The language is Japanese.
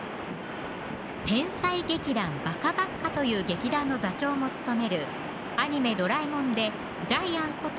天才劇団バカバッカという劇団の座長も務めるアニメドラえもんでジャイアンこと